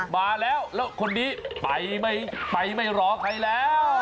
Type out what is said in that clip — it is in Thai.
มาแล้วแล้วคนนี้ไปไม่ไปไม่รอใครแล้ว